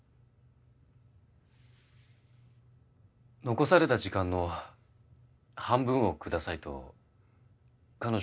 残された時間の半分をくださいと彼女は僕に言いました。